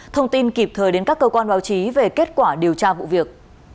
thông tin kịp thời đến các cơ quan báo chí về kết quả điều tra vụ việc